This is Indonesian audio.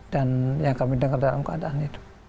dan yang kami dengar dalam keadaan hidup